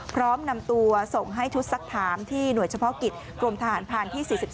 พร้อมนำตัวส่งให้ชุดสักถามที่หน่วยเฉพาะกิจกรมทหารผ่านที่๔๒